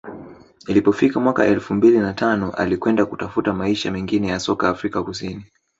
ilipofika mwaka elfu mbili na tano alikwenda kutafuta maisha mengine ya soka Afrika Kusini